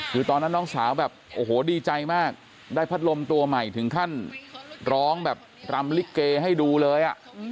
คือตอนนั้นน้องสาวแบบโอ้โหดีใจมากได้พัดลมตัวใหม่ถึงขั้นร้องแบบรำลิเกให้ดูเลย